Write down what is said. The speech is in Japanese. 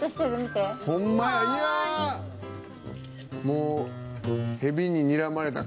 もう。